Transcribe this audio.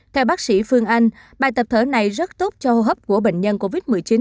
theo bác sĩ phương anh bài tập thở này rất tốt cho hô hấp của bệnh nhân covid một mươi chín